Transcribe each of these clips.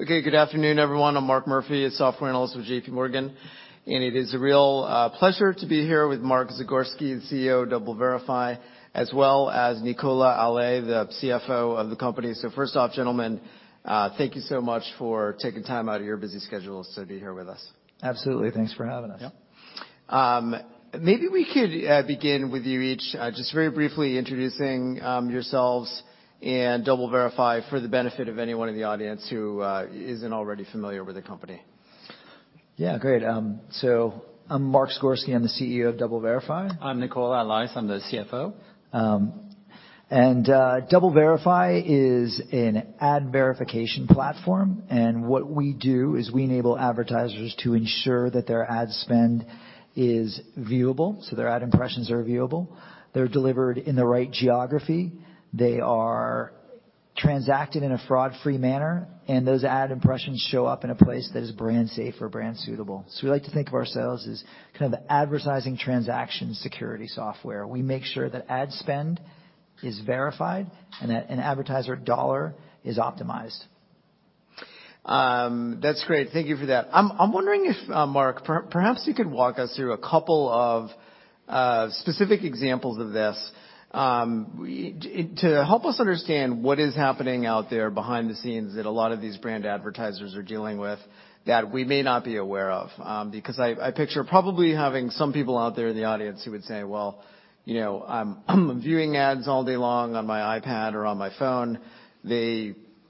Okay, good afternoon, everyone. I'm Mark Murphy, a software analyst with J.P. Morgan, and it is a real pleasure to be here with Mark Zagorski, the CEO of DoubleVerify, as well as Nicola Allais, the CFO of the company. First off, gentlemen, thank you so much for taking time out of your busy schedules to be here with us. Absolutely. Thanks for having us. Maybe we could begin with you each just very briefly introducing yourselves and DoubleVerify for the benefit of anyone in the audience who isn't already familiar with the company. Yeah, great. I'm Mark Zagorski. I'm the CEO of DoubleVerify. I'm Nicola Allais. I'm the CFO. DoubleVerify is an ad verification platform. What we do is we enable advertisers to ensure that their ad spend is viewable, so their ad impressions are viewable, they're delivered in the right geography, they are transacted in a fraud-free manner, and those ad impressions show up in a place that is brand safe or brand suitable. We like to think of ourselves as kind of advertising transaction security software. We make sure that ad spend is verified and that an advertiser dollar is optimized. That's great. Thank you for that. I'm wondering if Mark, perhaps you could walk us through a couple of specific examples of this to help us understand what is happening out there behind the scenes that a lot of these brand advertisers are dealing with that we may not be aware of. Because I picture probably having some people out there in the audience who would say, "Well, you know, I'm viewing ads all day long on my iPad or on my phone.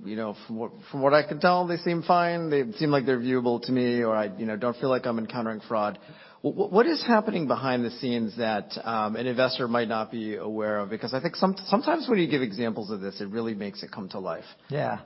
You know, from what I can tell, they seem fine. They seem like they're viewable to me or I, you know, don't feel like I'm encountering fraud." What is happening behind the scenes that an investor might not be aware of? I think sometimes when you give examples of this, it really makes it come to life. Yeah.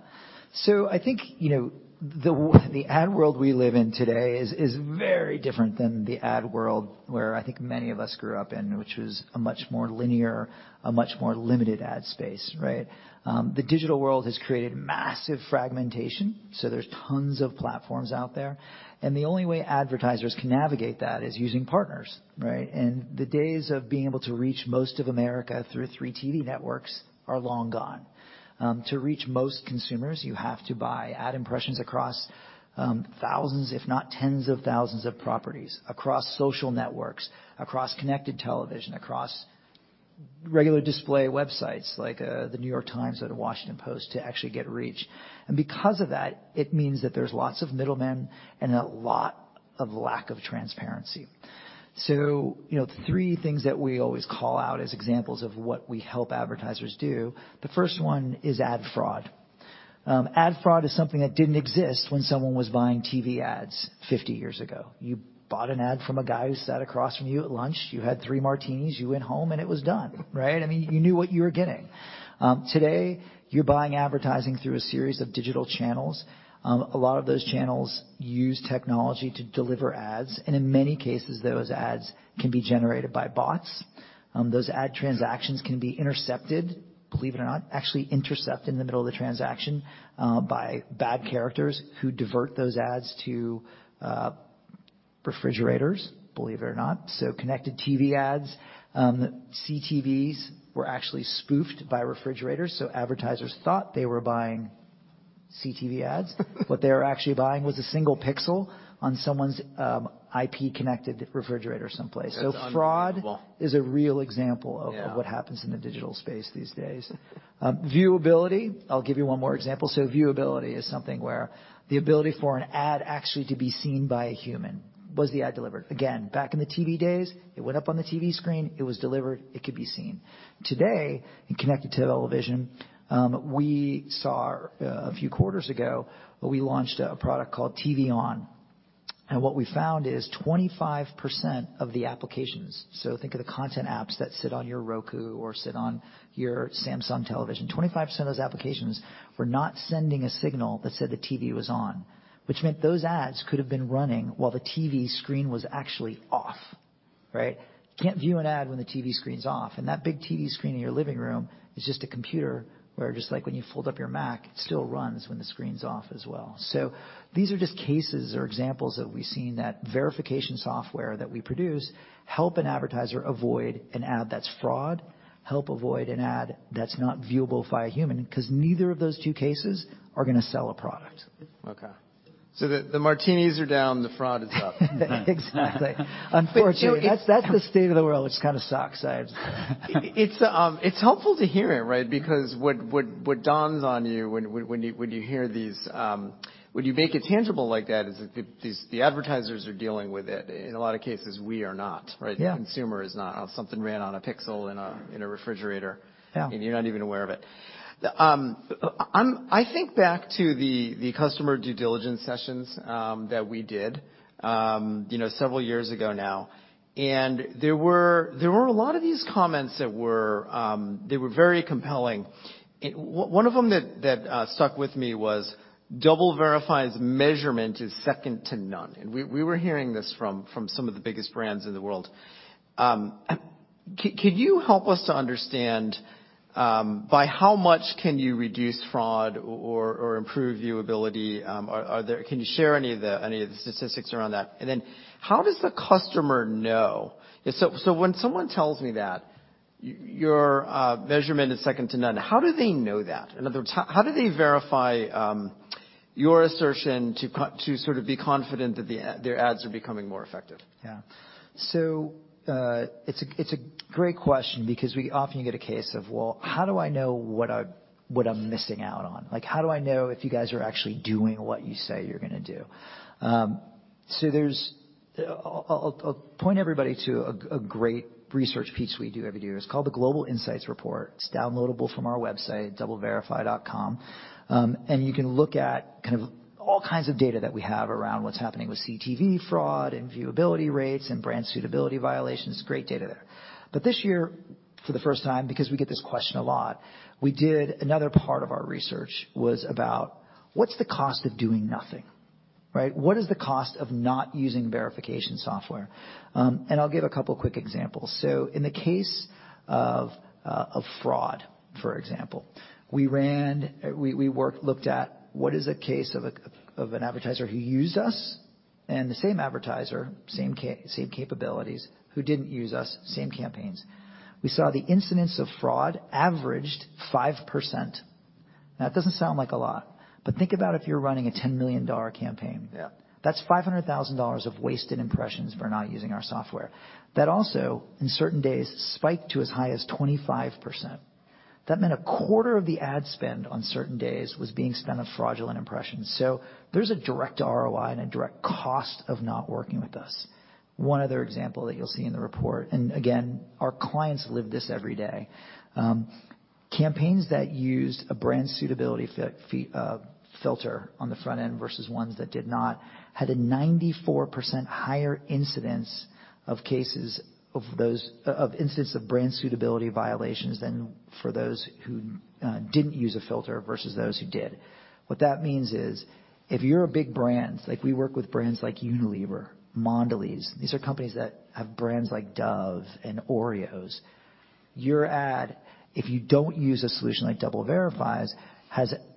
I think, you know, the ad world we live in today is very different than the ad world where I think many of us grew up in, which was a much more linear, a much more limited ad space, right? The digital world has created massive fragmentation, so there's tons of platforms out there, and the only way advertisers can navigate that is using partners, right? The days of being able to reach most of America through 3 TV networks are long gone. To reach most consumers, you have to buy ad impressions across thousands, if not tens of thousands of properties, across social networks, across connected television, across regular display websites like The New York Times or The Washington Post to actually get reach. Because of that, it means that there's lots of middlemen and a lot of lack of transparency. You know, the 3 things that we always call out as examples of what we help advertisers do, the first one is ad fraud. Ad fraud is something that didn't exist when someone was buying TV ads 50 years ago. You bought an ad from a guy who sat across from you at lunch, you had 3 martinis, you went home, and it was done, right? I mean, you knew what you were getting. Today, you're buying advertising through a series of digital channels. A lot of those channels use technology to deliver ads, and in many cases, those ads can be generated by bots. Those ad transactions can be intercepted, believe it or not, actually intercepted in the middle of the transaction, by bad characters who divert those ads to refrigerators, believe it or not. Connected TV ads, CTVs were actually spoofed by refrigerators, so advertisers thought they were buying CTV ads. What they were actually buying was a single pixel on someone's IP-connected refrigerator someplace. That's unbelievable. fraud is a real example. Yeah ...of what happens in the digital space these days. Viewability, I'll give you one more example. Viewability is something where the ability for an ad actually to be seen by a human. Was the ad delivered? Again, back in the TV days, it went up on the TV screen, it was delivered, it could be seen. Today, in connected television, we saw a few quarters ago, we launched a product called TV Off. What we found is 25% of the applications, so think of the content apps that sit on your Roku or sit on your Samsung television. 25% of those applications were not sending a signal that said the TV was on, which meant those ads could have been running while the TV screen was actually off, right? You can't view an ad when the TV screen's off, and that big TV screen in your living room is just a computer where just like when you fold up your Mac, it still runs when the screen's off as well. These are just cases or examples that we've seen that verification software that we produce help an advertiser avoid an ad that's fraud, help avoid an ad that's not viewable by a human, 'cause neither of those two cases are gonna sell a product. Okay. The martinis are down, the fraud is up. Exactly. You know. ...that's the state of the world, which kind of sucks. It's helpful to hear it, right? What dawns on you when you hear these, when you make it tangible like that is these the advertisers are dealing with it. In a lot of cases, we are not, right? Yeah. The consumer is not. Something ran on a pixel in a refrigerator- Yeah ...and you're not even aware of it. I think back to the customer due diligence sessions that we did, you know, several years ago now, and there were a lot of these comments that were very compelling. One of them that stuck with me was DoubleVerify's measurement is second to none, and we were hearing this from some of the biggest brands in the world. Can you help us to understand by how much can you reduce fraud or improve viewability? Can you share any of the statistics around that? Then how does the customer know? When someone tells me that your measurement is second to none, how do they know that? In other words, how do they verify your assertion to sort of be confident that their ads are becoming more effective? Yeah. It's a great question because we often get a case of, "Well, how do I know what I'm missing out on? Like, how do I know if you guys are actually doing what you say you're gonna do?" I'll point everybody to a great research piece we do every year. It's called the Global Insights Report. It's downloadable from our website, DoubleVerify.com. You can look at kind of all kinds of data that we have around what's happening with CTV fraud and viewability rates and brand suitability violations. Great data there. This year, for the first time, because we get this question a lot, we did another part of our research, was about what's the cost of doing nothing, right? What is the cost of not using verification software? I'll give a couple quick examples. In the case of fraud, for example, we looked at what is a case of an advertiser who used us and the same advertiser, same capabilities who didn't use us, same campaigns. We saw the incidence of fraud averaged 5%. That doesn't sound like a lot, think about if you're running a $10 million campaign. Yeah. That's $500,000 of wasted impressions for not using our software. That also, in certain days, spiked to as high as 25%. That meant a quarter of the ad spend on certain days was being spent on fraudulent impressions. There's a direct ROI and a direct cost of not working with us. One other example that you'll see in the report, and again, our clients live this every day, campaigns that used a brand suitability filter on the front end versus ones that did not, had a 94% higher incidence of cases of incidence of brand suitability violations than for those who didn't use a filter versus those who did. That means is if you're a big brand, like we work with brands like Unilever, Mondelēz, these are companies that have brands like Dove and Oreos. Your ad, if you don't use a solution like DoubleVerify's,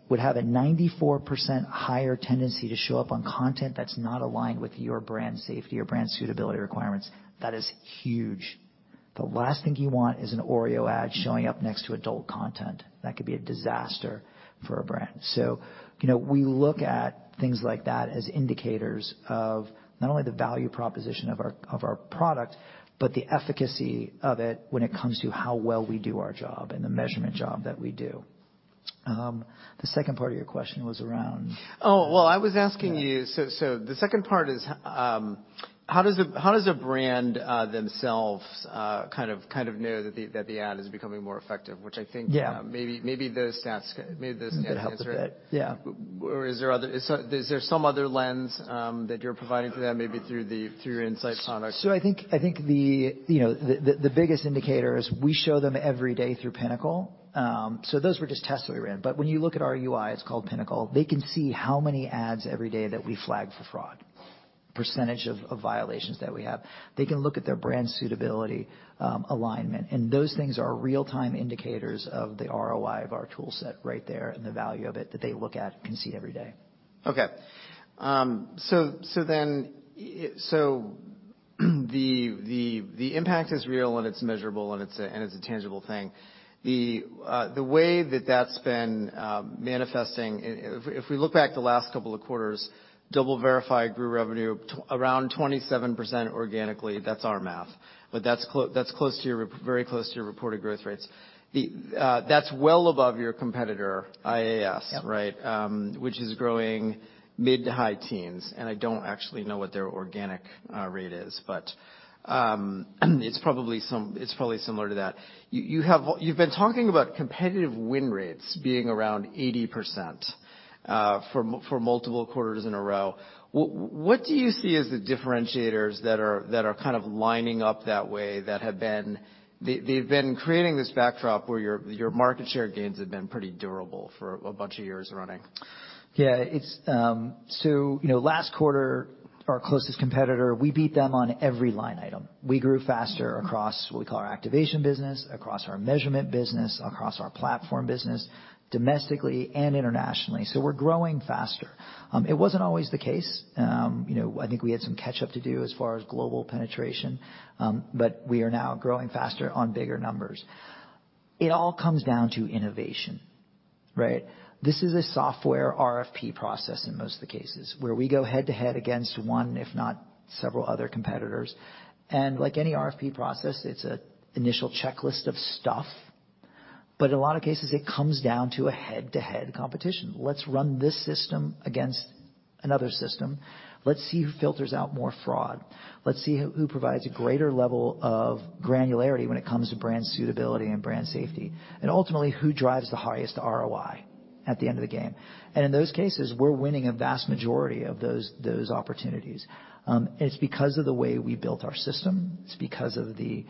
would have a 94% higher tendency to show up on content that's not aligned with your brand safety or brand suitability requirements. That is huge. The last thing you want is an Oreo ad showing up next to adult content. That could be a disaster for a brand. You know, we look at things like that as indicators of not only the value proposition of our product, but the efficacy of it when it comes to how well we do our job and the measurement job that we do. The second part of your question was around? Oh, well, I was asking you... The second part is, how does a brand kind of know that the ad is becoming more effective? Yeah. Maybe those stats answer it. It helps a bit. Yeah. Is there some other lens that you're providing for them maybe through your insight product? I think the, you know, the biggest indicator is we show them every day through Pinnacle. Those were just tests that we ran, but when you look at our UI, it's called Pinnacle, they can see how many ads every day that we flag for fraud, percentage of violations that we have. They can look at their brand suitability, alignment, and those things are real-time indicators of the ROI of our tool set right there and the value of it that they look at and can see every day. Okay. The impact is real and it's measurable and it's a, and it's a tangible thing. The way that that's been manifesting. If we look back the last couple of quarters, DoubleVerify grew revenue around 27% organically. That's our math. That's close to your very close to your reported growth rates. That's well above your competitor, IAS. Yep. Right? which is growing mid-to-high teens. I don't actually know what their organic rate is, but it's probably similar to that. You've been talking about competitive win rates being around 80% for multiple quarters in a row. What do you see as the differentiators that are kind of lining up that way that have been creating this backdrop where your market share gains have been pretty durable for a bunch of years running. Yeah, it's, you know, last quarter, our closest competitor, we beat them on every line item. We grew faster across what we call our activation business, across our measurement business, across our platform business, domestically and internationally. We're growing faster. It wasn't always the case. You know, I think we had some catch up to do as far as global penetration, but we are now growing faster on bigger numbers. It all comes down to innovation, right? This is a software RFP process in most of the cases where we go head-to-head against one, if not several other competitors. Like any RFP process, it's an initial checklist of stuff. But in a lot of cases it comes down to a head-to-head competition. Let's run this system against another system. Let's see who filters out more fraud. Let's see who provides a greater level of granularity when it comes to brand suitability and brand safety, and ultimately who drives the highest ROI at the end of the game. In those cases, we're winning a vast majority of those opportunities. It's because of the way we built our system. It's because of the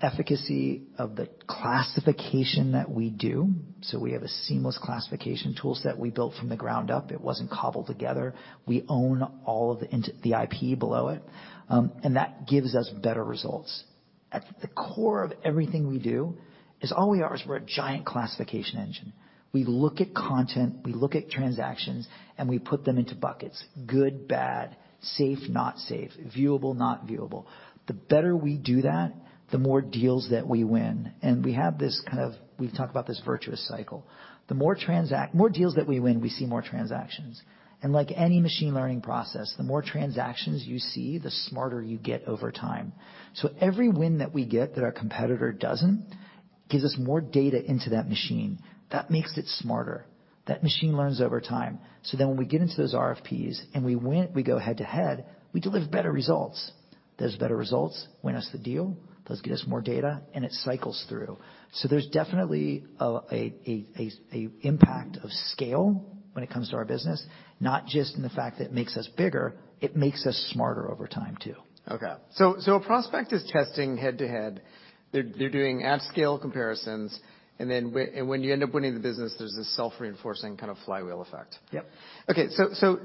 efficacy of the classification that we do. We have a seamless classification tool set we built from the ground up. It wasn't cobbled together. We own all of the IP below it. That gives us better results. At the core of everything we do. Is all we are is we're a giant classification engine. We look at content, we look at transactions, we put them into buckets. Good, bad, safe, not safe, viewable, not viewable. The better we do that, the more deals that we win. We've talked about this virtuous cycle. The more deals that we win, we see more transactions. Like any machine learning process, the more transactions you see, the smarter you get over time. Every win that we get that our competitor doesn't, gives us more data into that machine. That makes it smarter. That machine learns over time. When we get into those RFPs and we win, we go head-to-head, we deliver better results. Those better results win us the deal. Those get us more data, and it cycles through. There's definitely an impact of scale when it comes to our business, not just in the fact that it makes us bigger, it makes us smarter over time too. A prospect is testing head-to-head. They're doing at scale comparisons, then when you end up winning the business, there's this self-reinforcing kind of flywheel effect. Yep. So,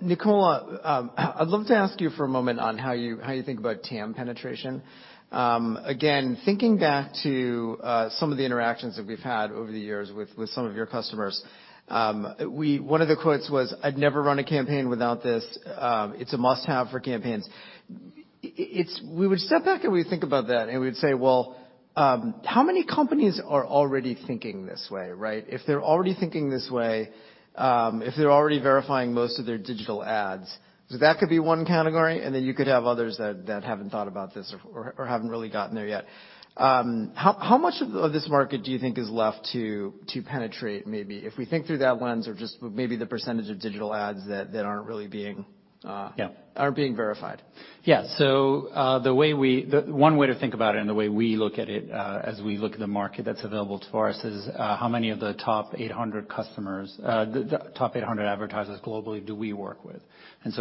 Nicola, I'd love to ask you for a moment on how you think about TAM penetration. Again, thinking back to some of the interactions that we've had over the years with some of your customers, one of the quotes was, "I'd never run a campaign without this. It's a must-have for campaigns." We would step back, and we think about that, and we'd say, well, how many companies are already thinking this way, right? If they're already thinking this way, if they're already verifying most of their digital ads, so that could be one category, and then you could have others that haven't thought about this or haven't really gotten there yet. How much of this market do you think is left to penetrate, maybe? If we think through that lens or just maybe the percentage of digital ads that aren't really being. Yeah. -aren't being verified. Yeah. The one way to think about it and the way we look at it, as we look at the market that's available to us is, how many of the top 800 customers, the top 800 advertisers globally do we work with?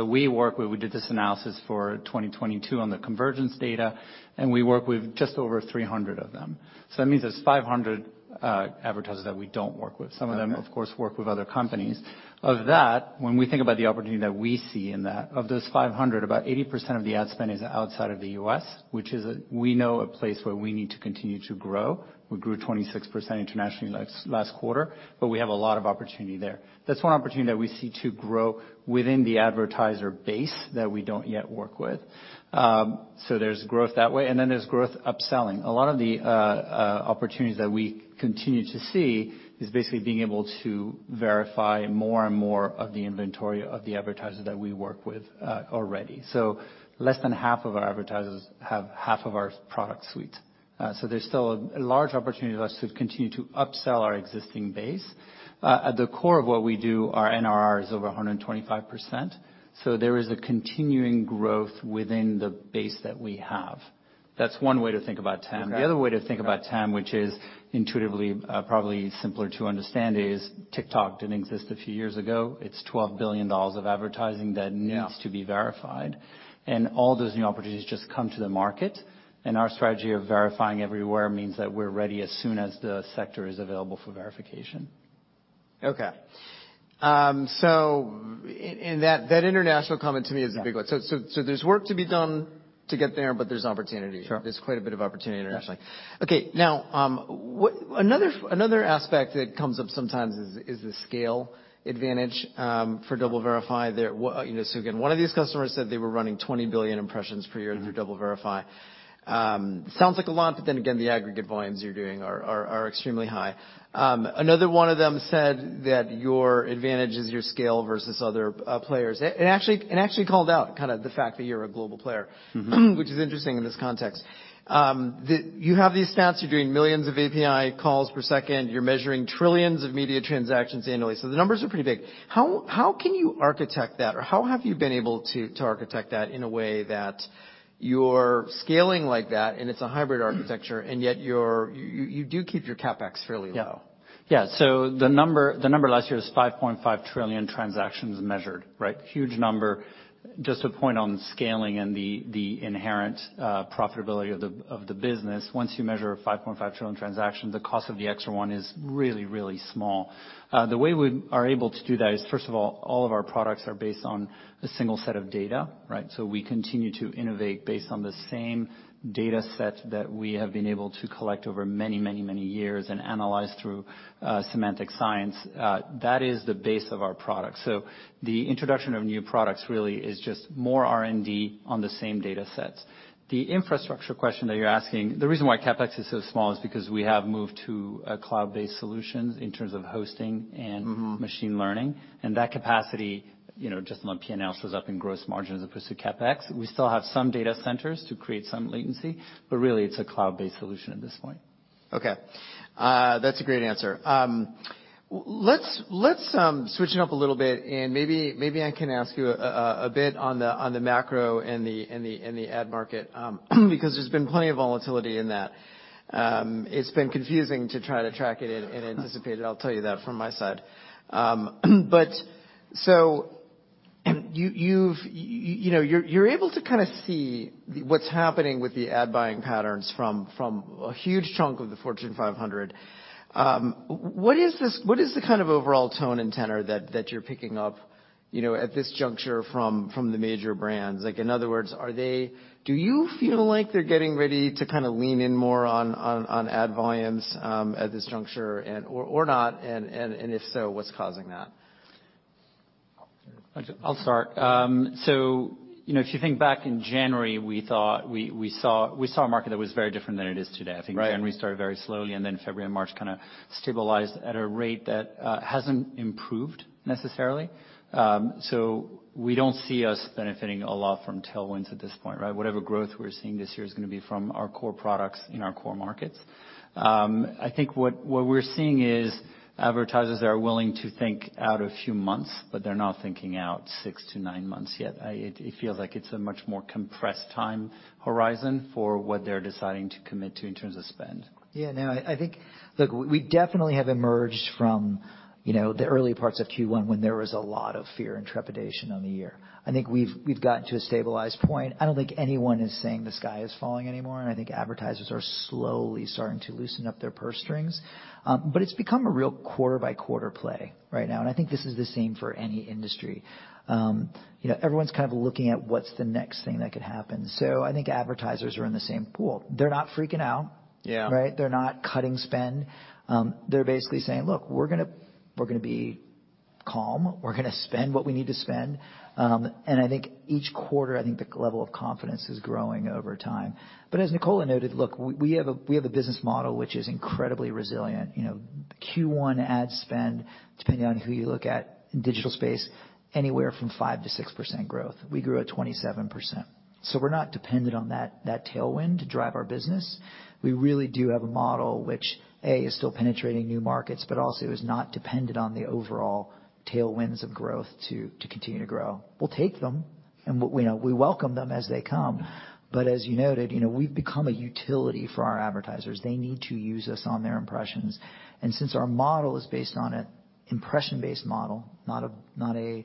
We work with, we did this analysis for 2022 on the Comscore data, and we work with just over 300 of them. That means there's 500 advertisers that we don't work with. Some of them, of course, work with other companies. Of that, when we think about the opportunity that we see in that, of those 500, about 80% of the ad spend is outside of the U.S., we know is a place where we need to continue to grow. We grew 26% internationally last quarter. We have a lot of opportunity there. That's one opportunity that we see to grow within the advertiser base that we don't yet work with. There's growth that way. There's growth upselling. A lot of the opportunities that we continue to see is basically being able to verify more and more of the inventory of the advertisers that we work with already. Less than half of our advertisers have half of our product suite. There's still a large opportunity for us to continue to upsell our existing base. At the core of what we do, our NRR is over 125%. There is a continuing growth within the base that we have. That's one way to think about TAM. Okay. The other way to think about TAM, which is intuitively, probably simpler to understand, is TikTok didn't exist a few years ago. It's $12 billion of advertising. Yeah. to be verified. All those new opportunities just come to the market. Our strategy of verifying everywhere means that we're ready as soon as the sector is available for verification. Okay. That international comment to me is a big one. Yeah. There's work to be done to get there, but there's opportunity. Sure. There's quite a bit of opportunity internationally. Yeah. Now, another aspect that comes up sometimes is the scale advantage for DoubleVerify. There, you know, again, one of these customers said they were running 20 billion impressions per year through DoubleVerify. Sounds like a lot, again, the aggregate volumes you're doing are extremely high. Another one of them said that your advantage is your scale versus other players. It actually called out kind of the fact that you're a global player. Mm-hmm. Which is interesting in this context. You have these stats, you're doing millions of API calls per second. You're measuring trillions of media transactions annually. The numbers are pretty big. How, how can you architect that? Or how have you been able to architect that in a way that you're scaling like that, and it's a hybrid architecture, and yet you do keep your CapEx fairly low? Yeah. Yeah. The number last year is 5.5 trillion transactions measured, right? Huge number. Just to point on scaling and the inherent profitability of the business. Once you measure 5.5 trillion transactions, the cost of the extra one is really, really small. The way we are able to do that is, first of all of our products are based on a single set of data, right? We continue to innovate based on the same dataset that we have been able to collect over many, many, many years and analyze through Semantic Science. That is the base of our product. The introduction of new products really is just more R&D on the same datasets. The infrastructure question that you're asking, the reason why CapEx is so small is because we have moved to a cloud-based solutions in terms of hosting. Mm-hmm. machine learning. That capacity, you know, just on P&L shows up in gross margins opposed to CapEx. We still have some data centers to create some latency, but really, it's a cloud-based solution at this point. Okay. That's a great answer. Let's, let's switch it up a little bit, and maybe I can ask you a bit on the macro and the ad market, because there's been plenty of volatility in that. It's been confusing to try to track it and anticipate it, I'll tell you that from my side. You're able to kind of see what's happening with the ad buying patterns from a huge chunk of the Fortune 500. What is the kind of overall tone and tenor that you're picking up, you know, at this juncture from the major brands? Like in other words, Do you feel like they're getting ready to kinda lean in more on ad volumes at this juncture and/or not? If so, what's causing that? I'll start. You know, if you think back in January, we saw a market that was very different than it is today. Right. I think January started very slowly, February and March kinda stabilized at a rate that hasn't improved necessarily. We don't see us benefiting a lot from tailwinds at this point, right? Whatever growth we're seeing this year is gonna be from our core products in our core markets. I think what we're seeing is advertisers are willing to think out a few months, but they're not thinking out 6 to 9 months yet. It feels like it's a much more compressed time horizon for what they're deciding to commit to in terms of spend. Yeah. No, I think, look, we definitely have emerged from, you know, the early parts of Q1 when there was a lot of fear and trepidation on the year. I think we've gotten to a stabilized point. I don't think anyone is saying the sky is falling anymore, and I think advertisers are slowly starting to loosen up their purse strings. It's become a real quarter by quarter play right now, and I think this is the same for any industry. You know, everyone's kind of looking at what's the next thing that could happen. I think advertisers are in the same pool. They're not freaking out. Yeah. Right? They're not cutting spend. They're basically saying, "Look, we're gonna be calm. We're gonna spend what we need to spend." I think each quarter, I think the level of confidence is growing over time. As Nicola noted, look, we have a business model which is incredibly resilient. You know, Q1 ad spend, depending on who you look at in digital space, anywhere from 5%–6% growth. We grew at 27%. We're not dependent on that tailwind to drive our business. We really do have a model which, A, is still penetrating new markets, but also is not dependent on the overall tailwinds of growth to continue to grow. We'll take them and you know, we welcome them as they come. As you noted, you know, we've become a utility for our advertisers. They need to use us on their impressions. Since our model is based on an impression-based model, not a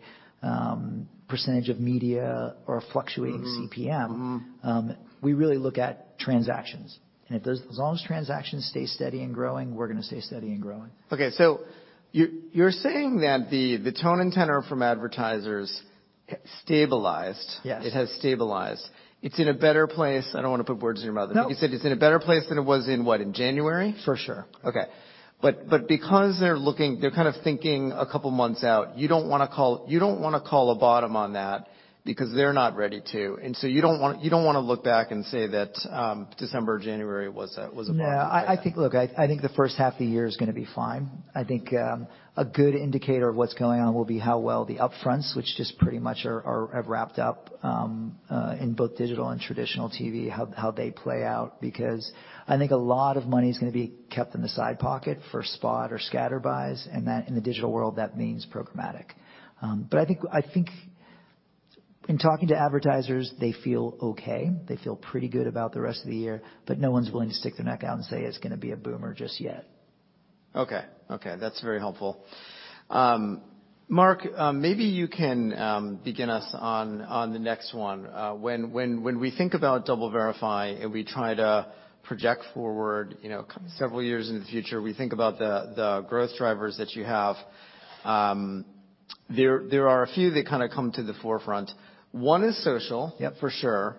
percentage of media or a fluctuating. Mm-hmm. CPM- Mm-hmm.... we really look at transactions. As long as transactions stay steady and growing, we're gonna stay steady and growing. Okay. You're saying that the tone and tenor from advertisers stabilized? Yes. It has stabilized. It's in a better place. I don't wanna put words in your mouth. No. You said it's in a better place than it was in what? In January? For sure. Okay. Because they're kind of thinking a couple months out, you don't wanna call a bottom on that because they're not ready to. You don't wanna look back and say that December or January was a bottom. Yeah. I think, look, I think the first half of the year is gonna be fine. I think a good indicator of what's going on will be how well the upfronts, which just pretty much have wrapped up in both digital and traditional TV, how they play out, because I think a lot of money is gonna be kept in the side pocket for spot or scatter buys, and that, in the digital world, that means programmatic. I think in talking to advertisers, they feel okay. They feel pretty good about the rest of the year, but no one's willing to stick their neck out and say it's gonna be a boomer just yet. Okay. Okay, that's very helpful. Mark, maybe you can begin us on the next one. When we think about DoubleVerify and we try to project forward, you know, several years in the future, we think about the growth drivers that you have, there are a few that kinda come to the forefront. One is. Yep. For sure,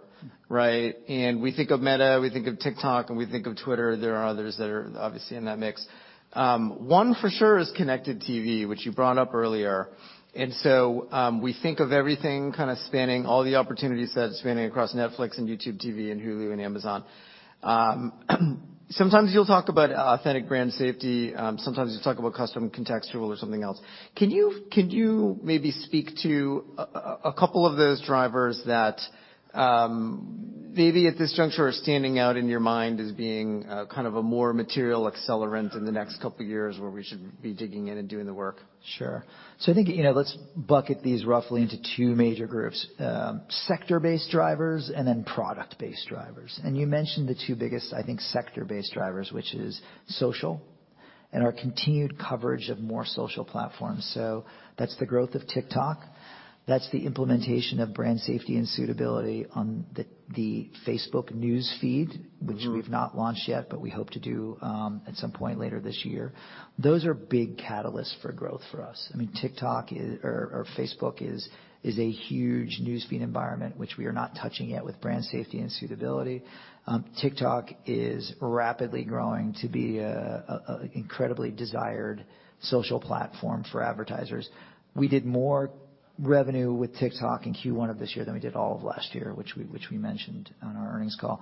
right? We think of Meta, we think of TikTok, and we think of Twitter. There are others that are obviously in that mix. One for sure is connected TV, which you brought up earlier. We think of everything kind of spanning all the opportunities that spanning across Netflix and YouTube TV and Hulu and Amazon. Sometimes you'll talk about Authentic Brand Safety, sometimes you talk about Custom Contextual or something else. Can you maybe speak to a couple of those drivers that maybe at this juncture are standing out in your mind as being kind of a more material accelerant in the next couple of years where we should be digging in and doing the work? Sure. I think, you know, let's bucket these roughly into two major groups, sector-based drivers and then product-based drivers. You mentioned the two biggest, I think, sector-based drivers, which is social and our continued coverage of more social platforms. That's the growth of TikTok. That's the implementation of brand safety and suitability on the Facebook News Feed. Mm-hmm which we've not launched yet, but we hope to do, at some point later this year. Those are big catalysts for growth for us. I mean, TikTok is or Facebook is a huge news feed environment which we are not touching yet with brand safety and suitability. TikTok is rapidly growing to be a incredibly desired social platform for advertisers. We did more revenue with TikTok in Q1 of this year than we did all of last year, which we mentioned on our earnings call.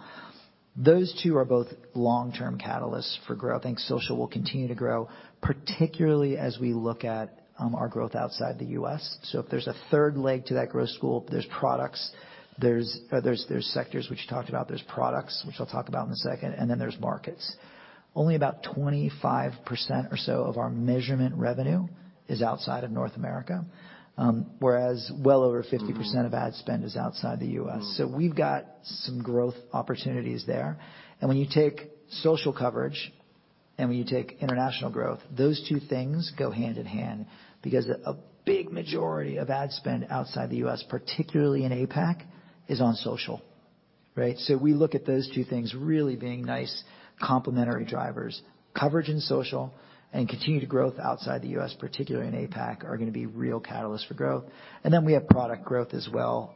Those two are both long-term catalysts for growth. I think social will continue to grow, particularly as we look at our growth outside the U.S. If there's a third leg to that growth stool, there's products, there's sectors which you talked about, there's products which I'll talk about in a second, and then there's markets. Only about 25% or so of our measurement revenue is outside of North America, whereas well over 50%. Mm-hmm... of ad spend is outside the U.S. Mm-hmm. We've got some growth opportunities there. When you take social coverage and when you take international growth, those two things go hand in hand because a big majority of ad spend outside the U.S., particularly in APAC, is on social. Right? We look at those two things really being nice complementary drivers. Coverage in social and continued growth outside the U.S., particularly in APAC, are gonna be real catalysts for growth. We have product growth as well.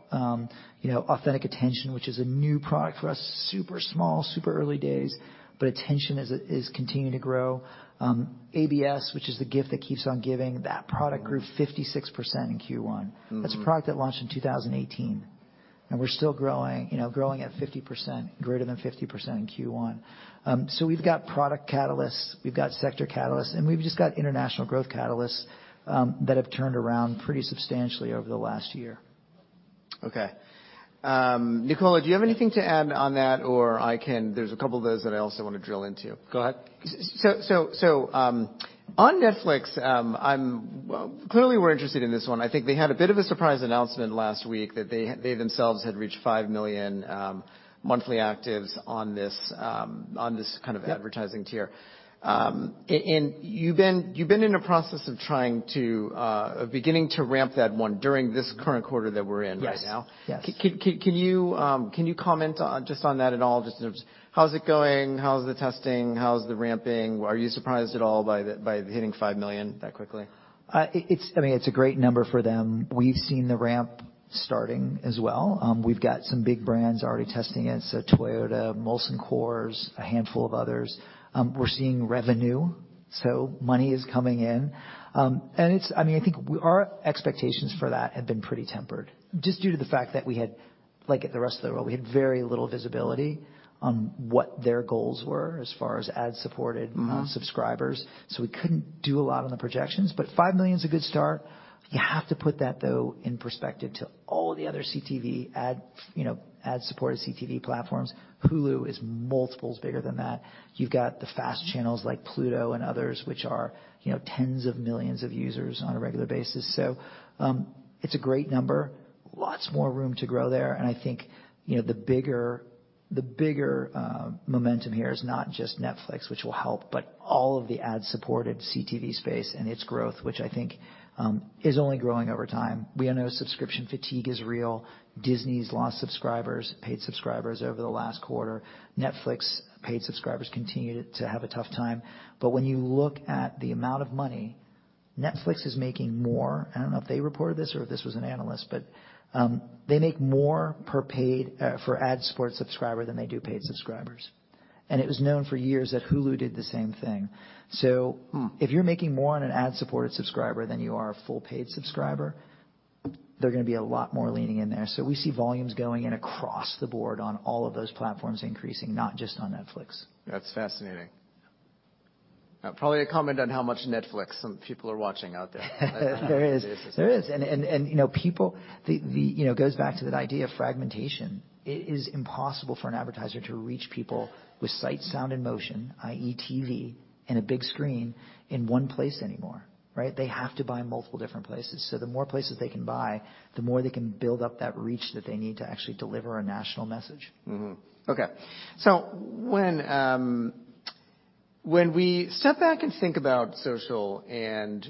You know, Authentic Attention, which is a new product for us, super small, super early days, but attention is continuing to grow. ABS, which is the gift that keeps on giving, that product grew 56% in Q1. Mm-hmm. That's a product that launched in 2018, we're still growing, you know, growing at 50%, greater than 50% in Q1. We've got product catalysts, we've got sector catalysts, we've just got international growth catalysts that have turned around pretty substantially over the last year. Okay. Nicola, do you have anything to add on that? There's a couple of those that I also wanna drill into. Go ahead. On Netflix, Well, clearly we're interested in this one. I think they themselves had reached 5 million monthly actives on this on this kind of. Yep. -advertising tier. You've been in a process of trying to beginning to ramp that one during this current quarter that we're in right now. Yes. Yes. Can you comment on just on that at all? Just in terms of how's it going? How's the testing? How's the ramping? Are you surprised at all by hitting $5 million that quickly? It's, I mean, it's a great number for them. We've seen the ramp starting as well. We've got some big brands already testing it, so Toyota, Molson Coors, a handful of others. We're seeing revenue, so money is coming in. It's... I mean, I think our expectations for that have been pretty tempered, just due to the fact that we had, like the rest of the world, we had very little visibility on what their goals were as far as ad-supported. Mm-hmm. subscribers, we couldn't do a lot on the projections. Five million is a good start. You have to put that, though, in perspective to all the other CTV ad, you know, ad-supported CTV platforms. Hulu is multiples bigger than that. You've got the FAST channels like Pluto and others, which are, you know, tens of millions of users on a regular basis. It's a great number. Lots more room to grow there, and I think, you know, the bigger momentum here is not just Netflix, which will help, but all of the ad-supported CTV space and its growth, which I think is only growing over time. We all know subscription fatigue is real. Disney's lost subscribers, paid subscribers over the last quarter. Netflix paid subscribers continue to have a tough time. When you look at the amount of money, Netflix is making more. I don't know if they reported this or if this was an analyst, but they make more per paid for ad-supported subscriber than they do paid subscribers. It was known for years that Hulu did the same thing. Mm. If you're making more on an ad-supported subscriber than you are a full paid subscriber, they're gonna be a lot more leaning in there. We see volumes going in across the board on all of those platforms increasing, not just on Netflix. That's fascinating. Probably a comment on how much Netflix some people are watching out there on a daily basis. There is. There is. You know, people, you know, it goes back to that idea of fragmentation. It is impossible for an advertiser to reach people with sight, sound, and motion, i.e., TV and a big screen, in one place anymore, right? They have to buy multiple different places. The more places they can buy, the more they can build up that reach that they need to actually deliver a national message. Okay. When, when we step back and think about social and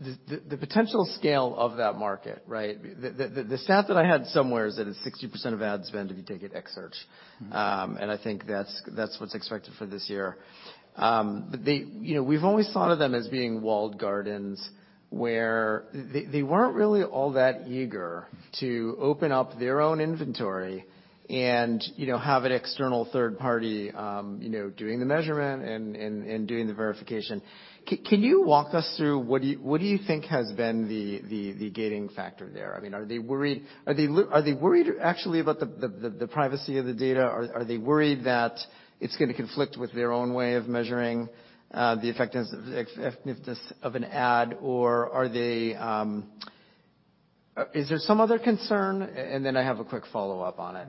the potential scale of that market, right? The stat that I had somewhere is that it's 60% of ad spend if you take it x search. Mm-hmm. I think that's what's expected for this year. They, you know, we've always thought of them as being walled gardens, where they weren't really all that eager to open up their own inventory and, you know, have an external third party, doing the measurement and doing the verification. Can you walk us through what do you think has been the gating factor there? I mean, are they worried? Are they worried actually about the privacy of the data? Are they worried that it's gonna conflict with their own way of measuring the effectiveness of an ad? Are they. Is there some other concern? Then I have a quick follow-up on it.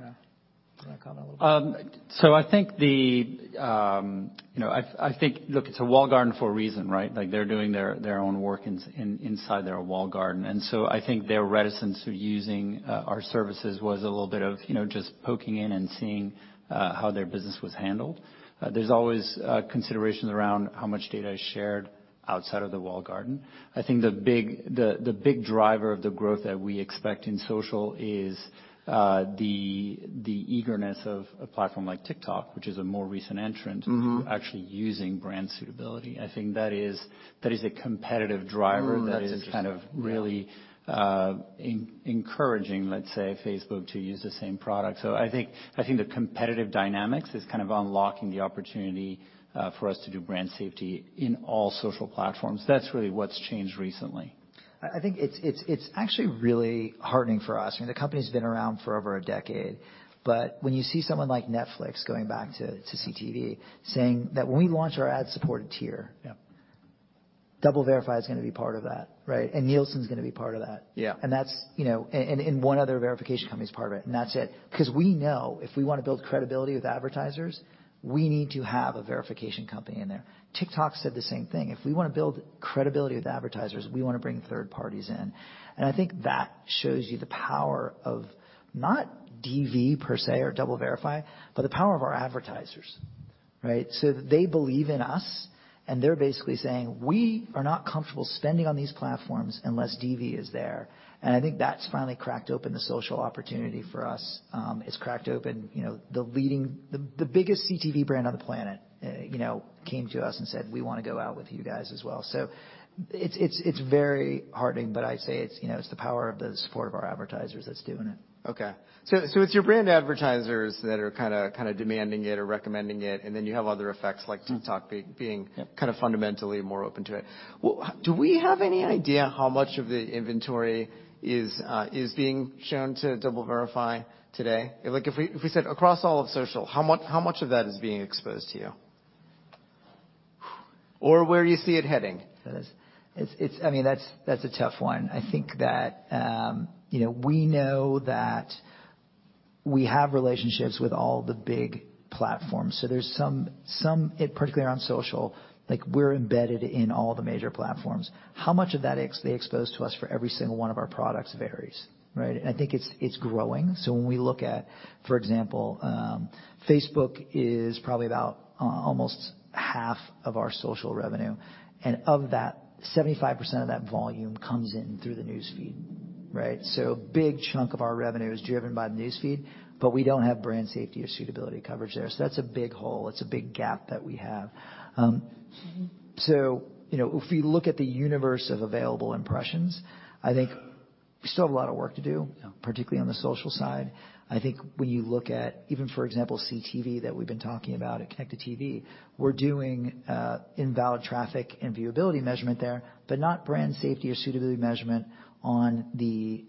Yeah. Do you wanna comment a little bit? I think the, you know, look, it's a walled garden for a reason, right? Like, they're doing their own work inside their walled garden. I think their reticence to using our services was a little bit of, you know, just poking in and seeing how their business was handled. There's always considerations around how much data is shared outside of the walled garden. I think the big driver of the growth that we expect in social is the eagerness of a platform like TikTok, which is a more recent entrant. Mm-hmm. to actually using brand suitability. I think that is, that is a competitive driver- That's interesting. Yeah. That is kind of really encouraging, let's say, Facebook to use the same product. I think the competitive dynamics is kind of unlocking the opportunity for us to do brand safety in all social platforms. That's really what's changed recently. I think it's actually really heartening for us. I mean, the company's been around for over a decade, When you see someone like Netflix going back to CTV saying that when we launch our ad-supported tier- Yeah. DoubleVerify is gonna be part of that, right? Nielsen's gonna be part of that. Yeah. That's, you know, one other verification company's part of it, and that's it. 'Cause we know if we wanna build credibility with advertisers, we need to have a verification company in there. TikTok said the same thing. If we wanna build credibility with advertisers, we wanna bring third parties in. I think that shows you the power of not DV, per se, or DoubleVerify, but the power of our advertisers. Right. They believe in us, and they're basically saying, "We are not comfortable spending on these platforms unless DV is there." I think that's finally cracked open the social opportunity for us. It's cracked open, you know, the leading. The biggest CTV brand on the planet, you know, came to us and said, "We wanna go out with you guys as well." It's very heartening. I'd say it's, you know, it's the power of the support of our advertisers that's doing it. It's your brand advertisers that are kinda demanding it or recommending it, you have other effects like TikTok being... Yeah. kind of fundamentally more open to it. Do we have any idea how much of the inventory is being shown to DoubleVerify today? Like, if we said across all of social, how much of that is being exposed to you? Or where you see it heading? I mean, that's a tough one. I think that, you know, we know that we have relationships with all the big platforms, particularly around social, like, we're embedded in all the major platforms. How much of that they expose to us for every single one of our products varies, right? I think it's growing. When we look at, for example, Facebook is probably about almost half of our social revenue. Of that, 75% of that volume comes in through the News Feed, right? Big chunk of our revenue is driven by the News Feed, but we don't have brand safety or suitability coverage there. That's a big hole. It's a big gap that we have. Mm-hmm. You know, if we look at the universe of available impressions, I think we still have a lot of work to do. Yeah. Particularly on the social side. I think when you look at, even, for example, CTV, that we've been talking about at connected TV, we're doing invalid traffic and viewability measurement there, but not brand safety or suitability measurement on the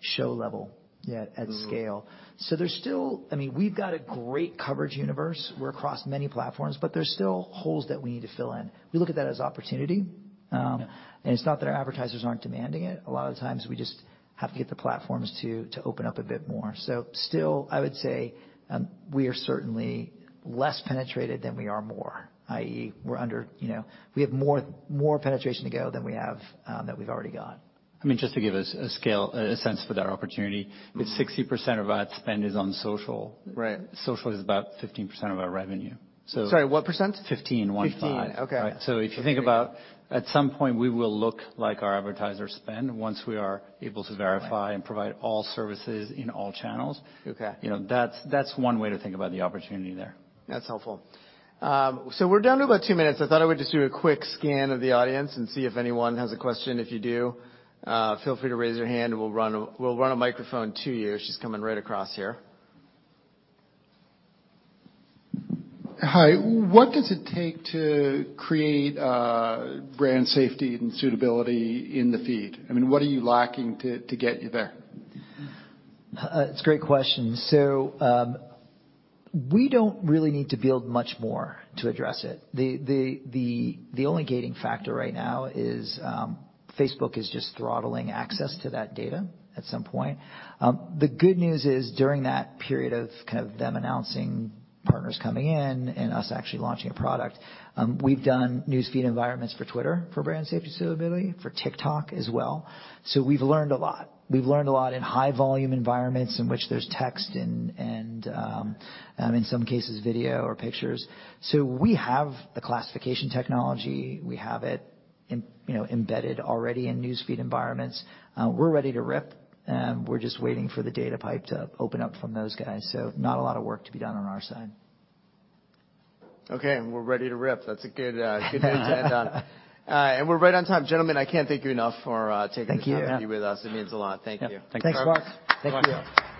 show level yet at scale. Mm-hmm. There's still, I mean, we've got a great coverage universe. We're across many platforms, but there's still holes that we need to fill in. We look at that as opportunity. Yeah. It's not that our advertisers aren't demanding it. A lot of the times, we just have to get the platforms to open up a bit more. Still, I would say, we are certainly less penetrated than we are more, i.e., we're under, you know, we have more penetration to go than we have that we've already got. I mean, just to give us a scale, a sense for that opportunity. Mm-hmm. If 60% of ad spend is on social- Right. Social is about 15% of our revenue. Sorry, what percent? 15. 15. Okay. If you think about, at some point, we will look like our advertisers spend once we are able to verify and provide all services in all channels. Okay. You know, that's one way to think about the opportunity there. That's helpful. We're down to about two minutes. I thought I would just do a quick scan of the audience and see if anyone has a question. If you do, feel free to raise your hand and we'll run a microphone to you. She's coming right across here. Hi. What does it take to create brand safety and suitability in the feed? I mean, what are you lacking to get you there? It's a great question. We don't really need to build much more to address it. The only gating factor right now is Facebook is just throttling access to that data at some point. The good news is, during that period of kind of them announcing partners coming in and us actually launching a product, we've done news feed environments for Twitter for brand safety, suitability, for TikTok as well. We've learned a lot. We've learned a lot in high volume environments in which there's text and in some cases video or pictures. We have the classification technology. We have it you know, embedded already in news feed environments. We're ready to rip. We're just waiting for the data pipe to open up from those guys. Not a lot of work to be done on our side. Okay. We're ready to rip. That's a good way to end on. We're right on time. Gentlemen, I can't thank you enough for taking some time here with us. Thank you. Yeah. It means a lot. Thank you. Yeah. Thanks a lot. Thank you. Thank you.